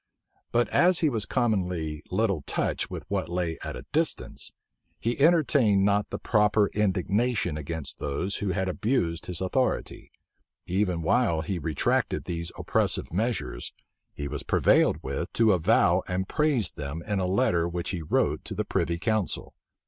But as he was commonly little touched with what lay at a distance, he entertained not the proper indignation against those who had abused his authority: even while he retracted these oppressive measures, he was prevailed with to avow and praise them in a letter which he wrote to the privy council.